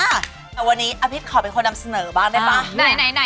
แต่วันนี้อภิษขอเป็นคนนำเสนอบ้างได้ป่ะ